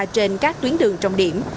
trên các tuyến đường trong điểm